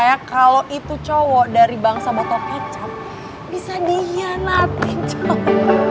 kayak kalo itu cowok dari bangsa botol kecap bisa dihianatin cowok